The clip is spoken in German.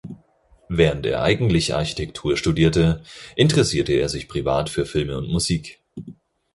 Während er eigentlich Architektur studierte, interessierte er sich privat für Filme und Musik.